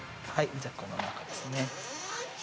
じゃあこの中ですね。